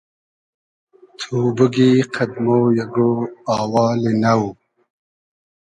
تو بوگی قئد مۉ اگۉ آوالی نۆ